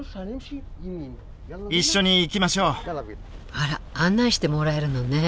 あら案内してもらえるのね。